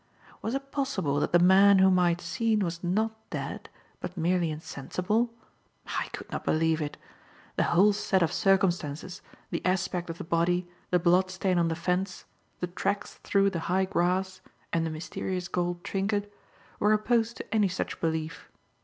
Was it possible that the man whom I had seen was not dead, but merely insensible? I could not believe it. The whole set of circumstances the aspect of the body, the blood stain on the fence, the tracks through the high grass and the mysterious gold trinket were opposed to any such belief.